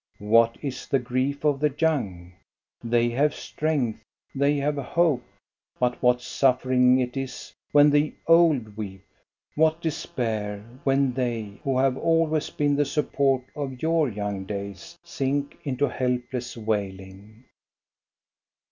What is the grief of the young? They have strength, they have hope. But what suffering it is when the old weep; what despair when they, who have always been the support of your young days, sink into helpless wailing.